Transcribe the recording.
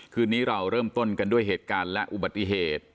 คืนนี้เราเริ่มต้นกันด้วยเหตุการณ์และอุบัติเหตุ